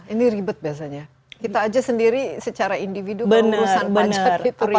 ini ribet biasanya kita aja sendiri secara individu mengurusan pajak itu ribet